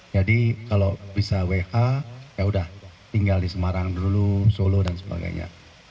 jadi kalau bisa wk yaudah tinggal di semarang dulu solo dan sebagainya